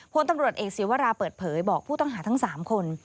พลตำรวจเอกศีวราเปิดเผยบอกผู้ต้องหาทั้ง๓คน